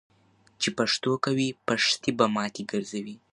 چی پښتو کوی ، پښتي به ماتی ګرځوي .